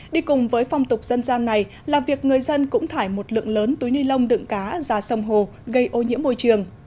đi cùng với phong tục dân gian này là việc người dân cũng thải một lượng lớn túi ni lông đựng cá ra sông hồ gây ô nhiễm môi trường